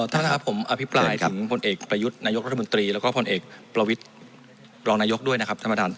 ท่านครับผมอภิปรายถึงพลเอกประยุทธ์นายกรัฐมนตรีแล้วก็พลเอกประวิทย์รองนายกด้วยนะครับท่านประธาน